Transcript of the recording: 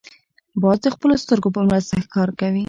باز د خپلو سترګو په مرسته ښکار کوي